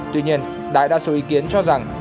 tuy nhiên đại đa số ý kiến cho rằng